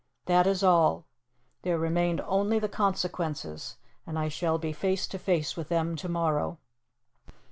That is all. There remained only the consequences, and I shall be face to face with them to morrow.